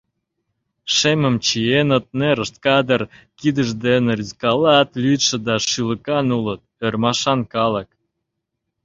Шемым чиеныт, нерышт кадыр, кидышт дене рӱзкалат, лӱдшӧ да шӱлыкан улыт — ӧрмашан калык...